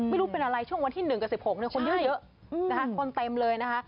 ไม่รู้เป็นอะไรช่วงวันที่๑กับ๑๖คนเยอะนะคะคนเต็มเลยนะคะ